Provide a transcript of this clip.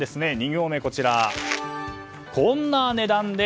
２行目、こんな値段で！